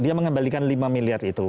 dia mengembalikan lima miliar itu